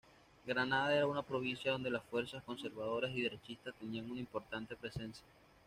Granada era una provincia donde las fuerzas conservadoras y derechistas tenían una importante presencia.